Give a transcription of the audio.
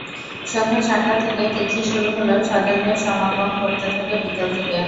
সন্ধ্যা সাতটা থেকে তিথি শুরু হলেও স্বজনদের সমাগম ঘটতে থাকে বিকেল থেকে।